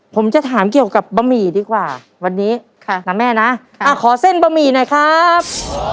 ผมจะถามเกี่ยวกับบะหมี่ดีกว่าวันนี้ค่ะนะแม่นะขอเส้นบะหมี่หน่อยครับ